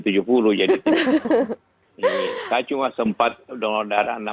saya cuma sempat donoh darah enam belas kali